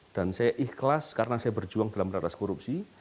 dan saya ikhlas karena saya berjuang dalam beratas korupsi